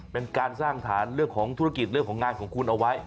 เป็นการสร้างฐานเรื่องของธุรกิจเรื่องของงานของคุณเอาไว้